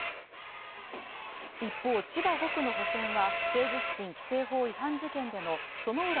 一方千葉５区の補選は、政治資金規正法違反事件での薗浦